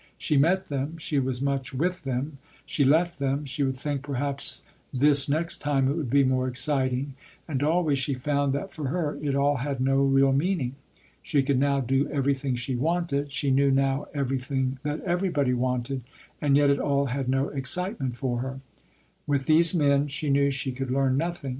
She met them, she was much with them, she left them, she would think perhaps this next time it would be more exciting, and always she found that for her it all had no real meaning. She could now do everything she wanted, she knew now everything that everybody wanted, and yet it all had no excitement for her. With these men, she knew she could learn nothing.